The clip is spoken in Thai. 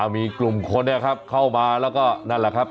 มีกลุ่มคนเนี่ยครับเข้ามาแล้วก็นั่นแหละครับ